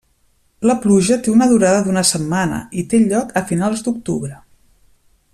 La pluja té una durada d'una setmana i té lloc a finals d'octubre.